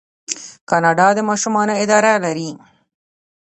کاناډا د ماشومانو اداره لري.